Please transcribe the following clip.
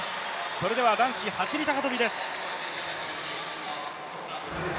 それでは男子走高跳です。